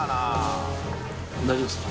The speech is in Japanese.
大丈夫ですか？